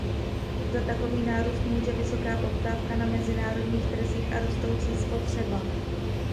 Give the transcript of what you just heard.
Za takový nárůst může vysoká poptávka na mezinárodních trzích a rostoucí spotřeba.